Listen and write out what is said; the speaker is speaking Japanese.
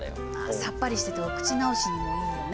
さっぱりしててお口直しにもいいよね。